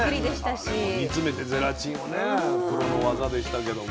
あれも煮詰めてゼラチンをねプロの技でしたけども。